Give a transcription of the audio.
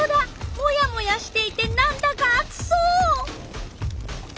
モヤモヤしていてなんだかあつそう！